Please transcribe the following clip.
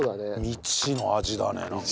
未知の味だねなんか。